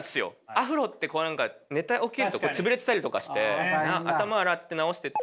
アフロって寝て起きると潰れてたりとかして頭洗って直してって。